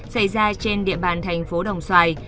xảy ra trên địa bàn thành phố đồng xoài